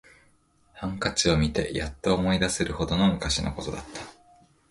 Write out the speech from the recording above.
ハンカチを見てやっと思い出せるほど昔のことだった